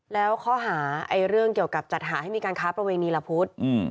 แล้วข้อหาเรื่องเกี่ยวกับจัดหาให้มีการค้าประเวณีละพุทธ